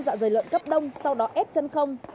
một trăm linh dạ dày lợn cấp đông sau đó ép chân không